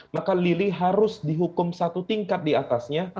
maka lili harus dihukum satu tingkat di atasnya